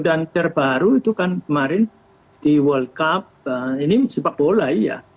terbaru itu kan kemarin di world cup ini sepak bola iya